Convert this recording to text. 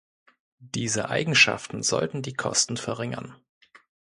Diese Eigenschaften sollten die Kosten verringern.